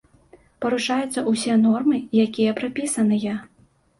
Парушаюцца ўсе нормы, якія прапісаныя.